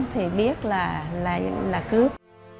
thì biết là cướp